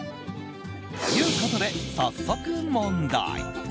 ということで早速、問題。